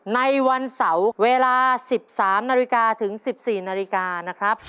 ในวันเสาร์เวลา๑๓นาฬิกาถึง๑๔นาฬิกานะครับ